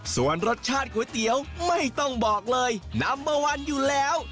ส่วนรสชาติก๋วยเตี๋ยวไม่ต้องบอกเลยนัมเบอร์วันอยู่แล้ว